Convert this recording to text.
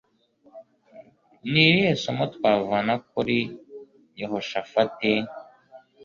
ni rihe somo twavana kuri yehoshafati